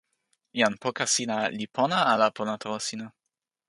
jan poka sina li pona ala pona tawa sina?